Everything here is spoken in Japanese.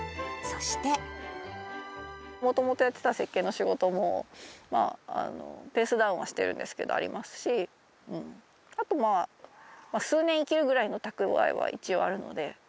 もともとやってた設計の仕事も、ペースダウンはしているんですけれども、ありますし、あと、数年生きるぐらいの蓄えは一応あるので。